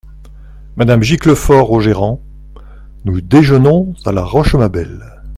Madame Giclefort, au gérant. — Nous déjeunons à la Rochemabelle.